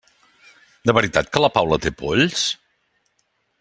De veritat que la Paula té polls?